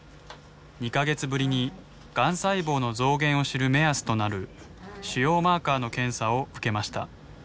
２か月ぶりにがん細胞の増減を知る目安となる腫瘍マーカーの検査を受けました。